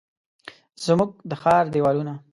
زموږ د ښار دیوالونه،